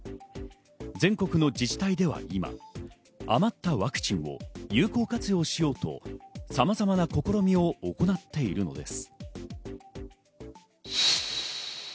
全国の自治体では今、余ったワクチンを有効活用しようとさまざまな試みを行っているのです。